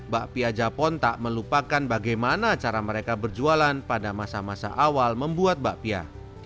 bakpi ajapon tak melupakan bagaimana cara mereka berjualan pada masa masa awal membuat bakpia